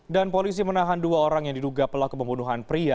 dan polisi menahan dua orang yang diduga pelaku pembunuhan pria